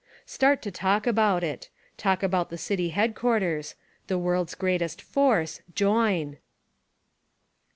Start to talk about it. Ask about the city headquarters. The world's greatest force— JOIN